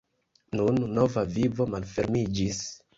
Nun nova vivo malfermiĝis.